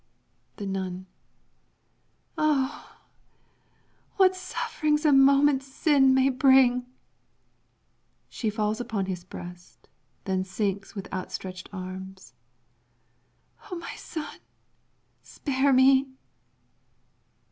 The Nun Ah! what sufferings a moment's sin may bring! [She falls upon his breast, then sinks, with outstretched arms.] O my son, spare me!